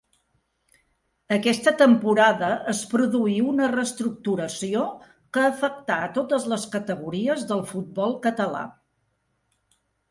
Aquesta temporada es produí una reestructuració que afectà a totes les categories del futbol català.